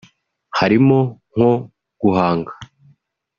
harimo nko guhanga